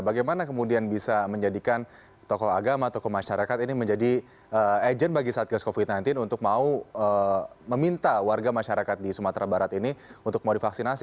bagaimana kemudian bisa menjadikan tokoh agama tokoh masyarakat ini menjadi agent bagi satgas covid sembilan belas untuk mau meminta warga masyarakat di sumatera barat ini untuk mau divaksinasi